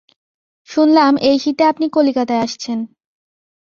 শুনলাম এই শীতে আপনি কলিকাতায় আসছেন।